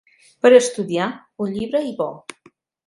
Per a estudiar, un llibre i bo.